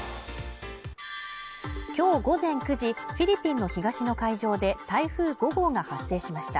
今日午前９時、フィリピンの東の海上で台風５号が発生しました。